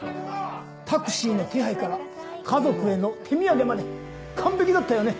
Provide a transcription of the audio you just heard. タクシーの手配から家族への手土産まで完璧だったよね。